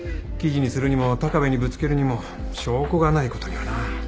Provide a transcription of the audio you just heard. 記事にするにも鷹部にぶつけるにも証拠がないことにはな。